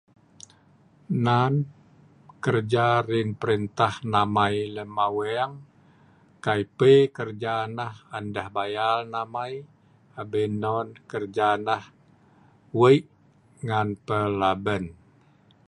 Nan keja rin pelintah nahmai lem aweng kai pi keja nah an deh bayal namai abin non kejap wei' ngan pelaben